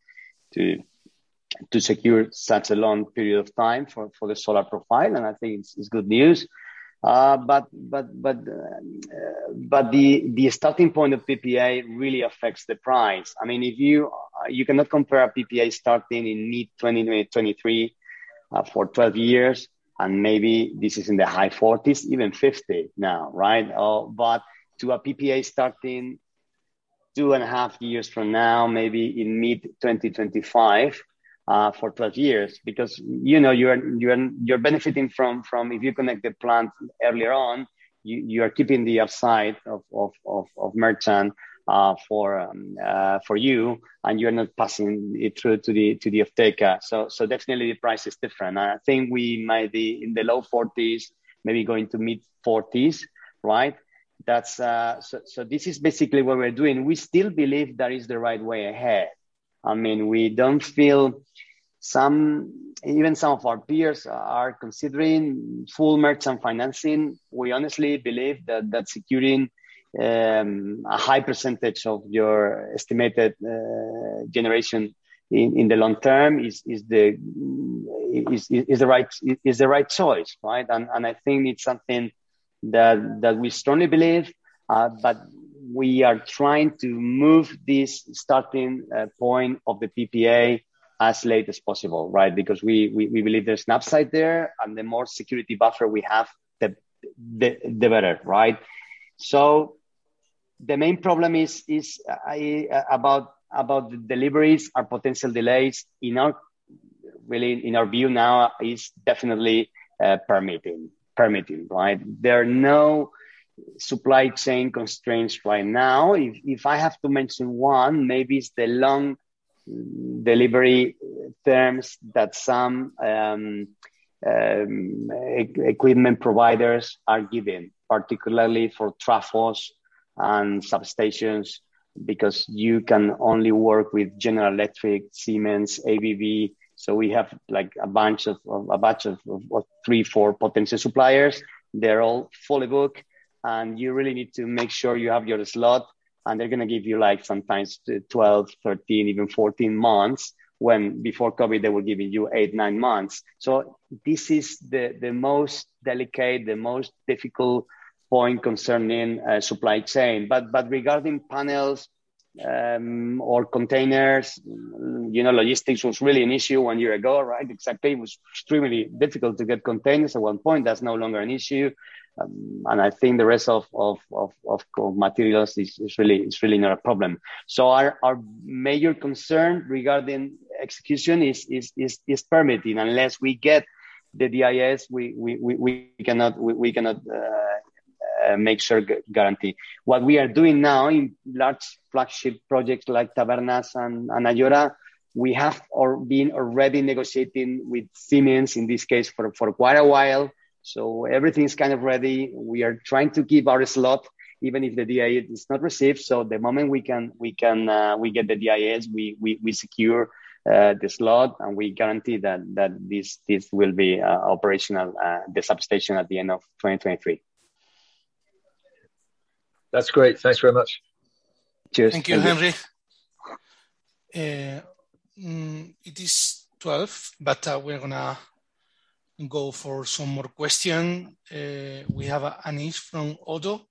to secure such a long period of time for the solar profile, and I think it's good news. The starting point of PPA really affects the price. I mean, you cannot compare a PPA starting in mid-2023, for 12 years, and maybe this is in the high 40s, even 50 now, right? To a PPA starting two and a half years from now, maybe in mid-2025, for 12 years, because, you know, you're benefiting from if you connect the plant earlier on, you are keeping the upside of merchant for you, and you're not passing it through to the offtaker. So definitely the price is different. I think we might be in the low 40s, maybe going to mid-40s, right? That's. So this is basically what we're doing. We still believe that is the right way ahead. I mean, even some of our peers are considering full merchant financing. We honestly believe that securing a high percentage of your estimated generation in the long term is the right choice, right? I think it's something that we strongly believe, but we are trying to move this starting point of the PPA as late as possible, right? Because we believe there's an upside there, and the more security buffer we have, the better, right? The main problem is, really, in our view now, definitely permitting, right? There are no supply chain constraints right now. If I have to mention one, maybe it's the long delivery terms that some equipment providers are giving, particularly for transformers and substations, because you can only work with General Electric, Siemens, ABB. We have like a bunch of what? 3, 4 potential suppliers. They're all fully booked, and you really need to make sure you have your slot, and they're gonna give you like sometimes 12, 13, even 14 months, when before COVID, they were giving you 8, 9 months. This is the most delicate, the most difficult point concerning supply chain. But regarding panels or containers, you know, logistics was really an issue one year ago, right? Exactly. It was extremely difficult to get containers at one point. That's no longer an issue. I think the rest of materials is really not a problem. Our major concern regarding execution is permitting. Unless we get the DIAs, we cannot make sure guarantee. What we are doing now in large flagship projects like Tabernas and Ayora, we have been already negotiating with Siemens in this case for quite a while. Everything is kind of ready. We are trying to keep our slot even if the DIAs is not received. The moment we can, we get the DIAs, we secure the slot, and we guarantee that this will be operational, the substation, at the end of 2023. That's great. Thanks very much. Cheers. Thank you, Henry. It is 12, but we're gonna go for some more question. We have Anis from Oddo.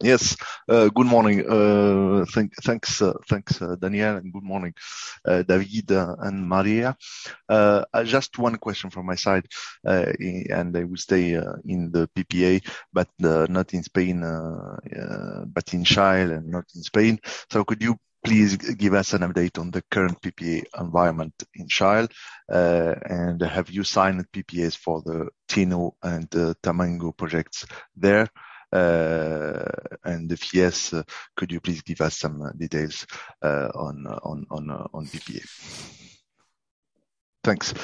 Yes. Good morning. Thanks, Daniel, and good morning, David and Maria. Just one question from my side, and I will stay in the PPA, but not in Spain, but in Chile. Could you please give us an update on the current PPA environment in Chile? And have you signed PPAs for the Teno and the Tamango projects there? And if yes, could you please give us some details on PPAs? Thanks.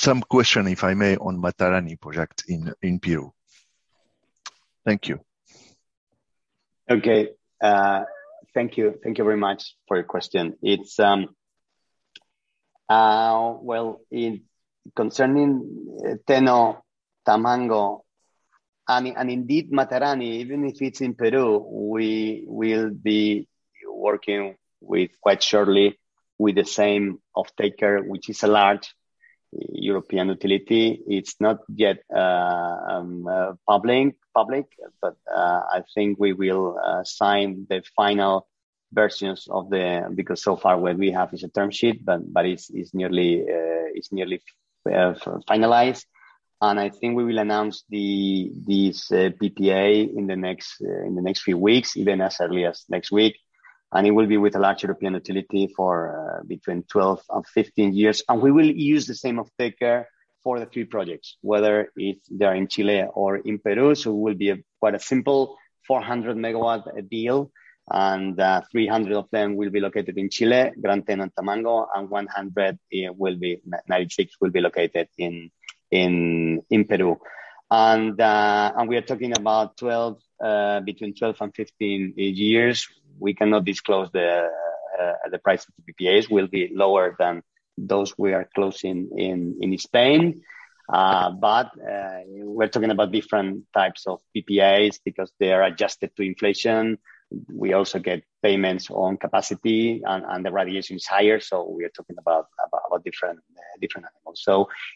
Some question, if I may, on Matarani project in Peru. Thank you. Okay. Thank you. Thank you very much for your question. It's well, in concerning Teno, Tamango, and indeed Matarani, even if it's in Peru, we will be working with quite surely with the same offtaker, which is a large European utility. It's not yet public, but I think we will sign the final versions because so far what we have is a term sheet, but it's nearly finalized. I think we will announce this PPA in the next few weeks, even as early as next week. It will be with a large European utility for between 12 and 15 years. We will use the same offtaker for the three projects, whether if they are in Chile or in Peru. It will be quite a simple 400 MW deal, and 300 of them will be located in Chile, Gran Teno and Tamango, and 96 will be located in Peru. We are talking about between 12 and 15 years. We cannot disclose the price of the PPAs. Will be lower than those we are closing in Spain. We're talking about different types of PPAs because they are adjusted to inflation. We also get payments on capacity and the radiation is higher, so we are talking about different animals.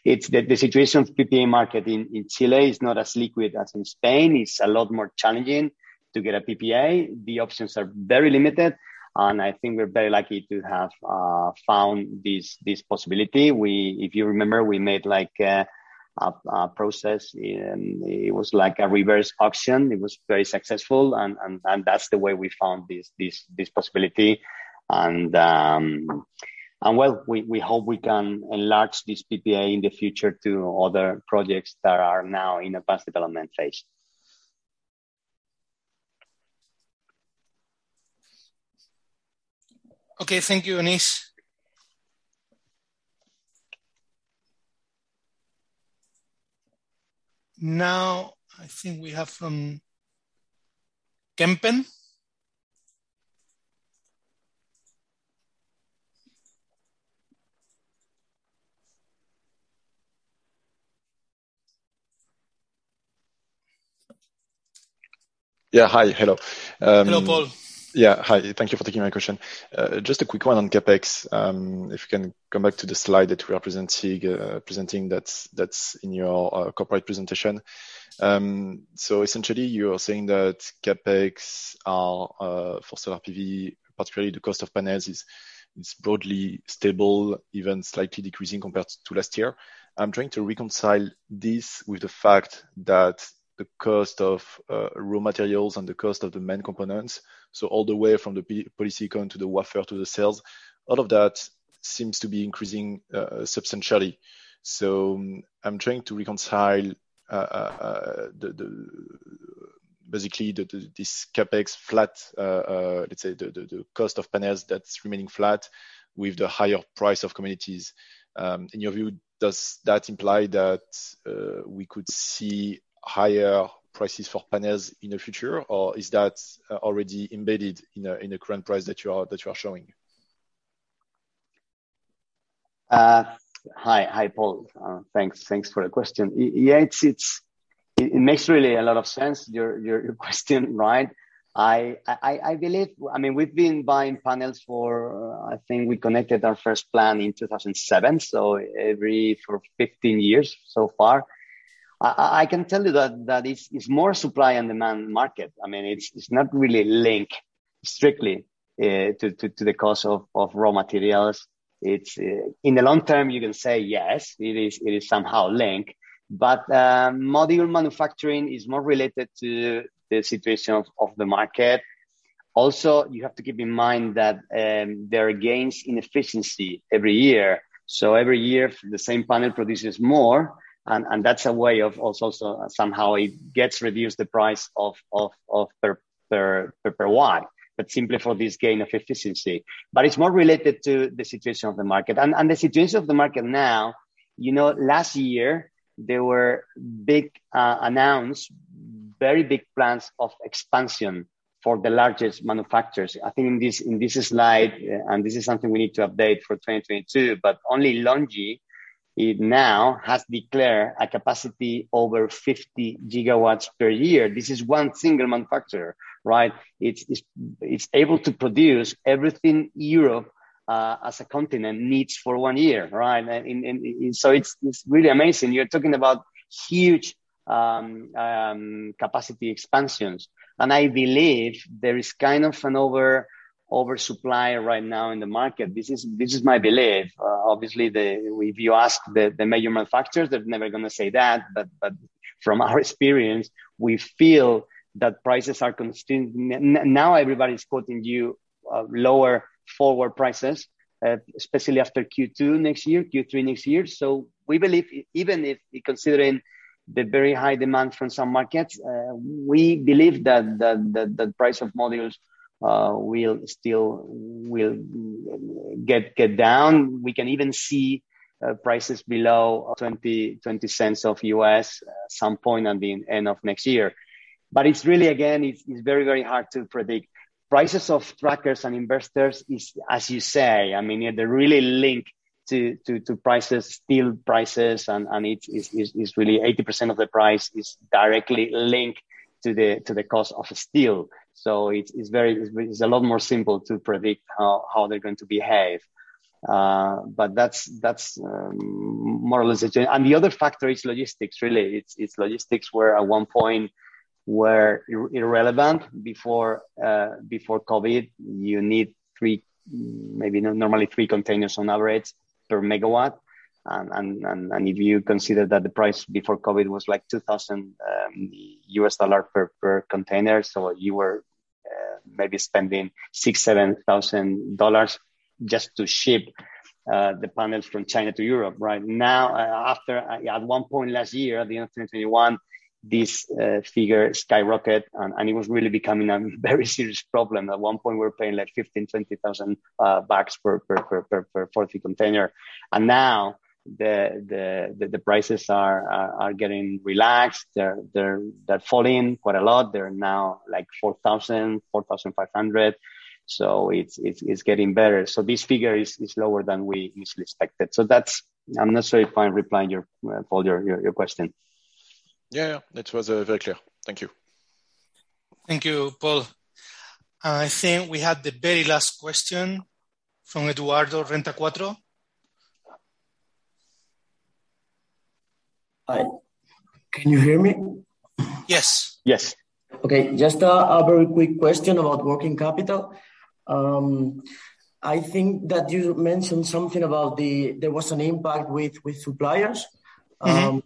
It's the situation of PPA market in Chile is not as liquid as in Spain. It's a lot more challenging to get a PPA. The options are very limited, and I think we're very lucky to have found this possibility. If you remember, we made like a process, it was like a reverse auction. It was very successful and that's the way we found this possibility. Well, we hope we can enlarge this PPA in the future to other projects that are now in advanced development phase. Okay. Thank you, Anis. Now, I think we have from Kempen. Yeah. Hi. Hello. Hello, Paul. Yeah. Hi. Thank you for taking my question. Just a quick one on CapEx. If you can come back to the slide that we are presenting that's in your corporate presentation. Essentially you're saying that CapEx for solar PV, particularly the cost of panels is broadly stable, even slightly decreasing compared to last year. I'm trying to reconcile this with the fact that the cost of raw materials and the cost of the main components, so all the way from polysilicon to the wafer to the cells, all of that seems to be increasing substantially. I'm trying to reconcile basically this CapEx flat, let's say the cost of panels that's remaining flat with the higher price of commodities. In your view, does that imply that we could see higher prices for panels in the future, or is that already embedded in the current price that you are showing? Hi, Paul. Thanks for the question. Yeah, it makes really a lot of sense, your question, right? I mean, we've been buying panels for, I think we connected our first plant in 2007, so for 15 years so far. I can tell you that it's more supply and demand market. I mean, it's not really linked strictly to the cost of raw materials. It's in the long term, you can say, yes, it is somehow linked. Module manufacturing is more related to the situation of the market. Also, you have to keep in mind that there are gains in efficiency every year. Every year, the same panel produces more, and that's a way of also so somehow it gets reduced the price of per watt, but simply for this gain of efficiency. It's more related to the situation of the market. The situation of the market now, you know, last year, there were big announcements, very big plans of expansion for the largest manufacturers. I think in this slide, this is something we need to update for 2022, but only LONGi, it now has declared a capacity over 50 gigawatts per year. This is one single manufacturer, right? It's able to produce everything Europe as a continent needs for one year, right? It's really amazing. You're talking about huge capacity expansions. I believe there is kind of an oversupply right now in the market. This is my belief. Obviously, if you ask the major manufacturers, they're never gonna say that. From our experience, we feel that prices are coming down now everybody's quoting you lower forward prices, especially after Q2 next year, Q3 next year. We believe even if considering the very high demand from some markets, we believe that the price of modules will still get down. We can even see prices below $0.20 at some point at the end of next year. It's really again, it's very hard to predict. Prices of trackers and inverters is, as you say, I mean, they're really linked to prices, steel prices, and it is really 80% of the price is directly linked to the cost of steel. It's very. It's a lot more simple to predict how they're going to behave. But that's more or less it. The other factor is logistics, really. It's logistics where at one point were irrelevant before COVID. You need 3, maybe normally 3 containers on average per megawatt. If you consider that the price before COVID was, like, $2,000 per container, so you were maybe spending $6,000-$7,000 just to ship the panels from China to Europe. Right now, at one point last year, at the end of 2021, this figure skyrocketed and it was really becoming a very serious problem. At one point, we were paying like $15,000-$20,000 per 40 container. Now the prices are getting relaxed. They're falling quite a lot. They're now like $4,000-$4,500. It's getting better. This figure is lower than we initially expected. That's. I'm not sure if I replied to your question, Paul. Yeah. It was very clear. Thank you. Thank you, Paul. I think we have the very last question from Eduardo Renta 4. Hi. Can you hear me? Yes. Yes. Okay. Just a very quick question about working capital. I think that you mentioned something about that there was an impact with suppliers. Mm-hmm.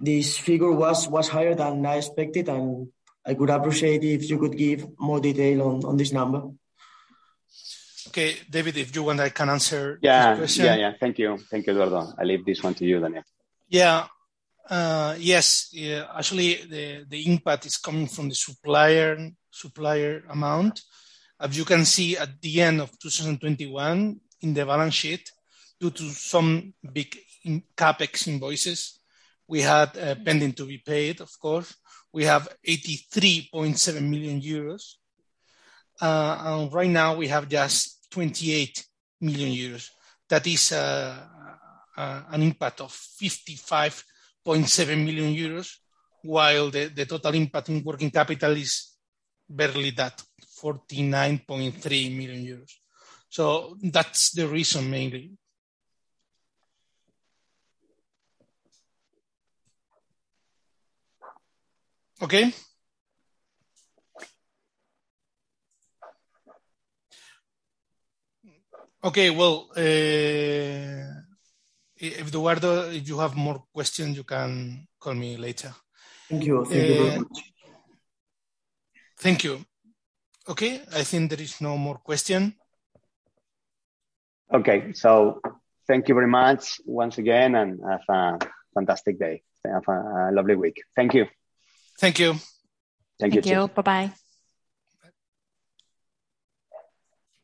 This figure was higher than I expected, and I would appreciate it if you could give more detail on this number. Okay. David, if you want, I can answer this question. Yeah. Thank you, Eduardo. I leave this one to you, Daniel. Actually, the impact is coming from the supplier amount. As you can see at the end of 2021 in the balance sheet, due to some big CapEx invoices, we had pending to be paid, of course. We have 83.7 million euros. And right now we have just 28 million euros. That is an impact of 55.7 million euros, while the total impact in working capital is barely that 49.3 million euros. That's the reason mainly. If Eduardo, you have more questions, you can call me later. Thank you. Thank you very much. Thank you. Okay. I think there is no more question. Okay. Thank you very much once again, and have a fantastic day. Have a lovely week. Thank you. Thank you. Thank you too. Thank you. Bye bye.